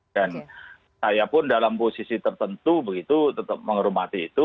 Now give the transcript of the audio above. dan saya pun dalam posisi tertentu begitu tetap menghormati itu